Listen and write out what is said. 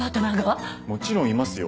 もちろんいますよ。